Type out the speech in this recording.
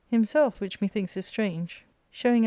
Himself, which methinks is strange, showing at 142 ARCADIA.'